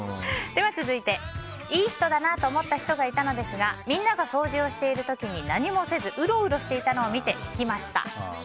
続いて、いい人だなと思った人がいたのですがみんなが掃除をしている時に何もせずうろうろしていたのを見て引きました。